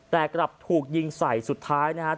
แต่กลับถูกยิงใส่สุดท้ายนะครับ